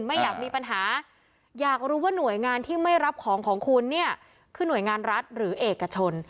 ไม่อยากมีปัญหาอยากรู้ว่าหน่วยงานที่ไม่รับของของคุณเนี่ยคือหน่วยงานรัฐหรือเอกชน